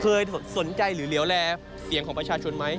เคยสนใจหรือเหลวแลเสียงของประชาชนไหม